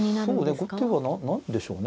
後手は何でしょうね。